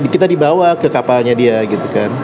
kita dibawa ke kapalnya dia gitu kan